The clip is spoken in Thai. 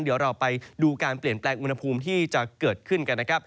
เดี๋ยวเราไปดูการเปลี่ยนแปลงอุณหภูมิที่จะเกิดขึ้นกันนะครับ